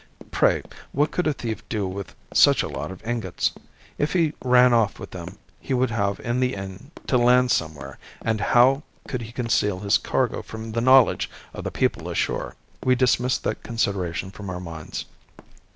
Pray, what could a thief do with such a lot of ingots? If he ran off with them he would have in the end to land somewhere, and how could he conceal his cargo from the knowledge of the people ashore? We dismissed that consideration from our minds.